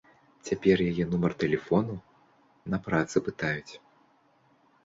Цяпер яе нумар тэлефону на працы пытаюць.